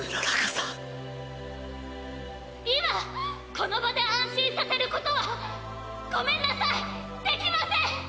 この場で安心させる事はごめんなさいできません！